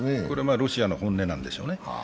これはロシアの本音なんでしょうね。